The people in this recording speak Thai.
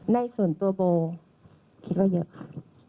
ในส่วนตัวโบคิดว่าเยอะค่ะ